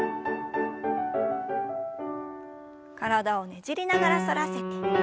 体をねじりながら反らせて。